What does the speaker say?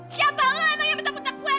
siapa lo emang yang bertanggut takut gue